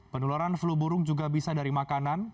penularan flu burung juga bisa dari makanan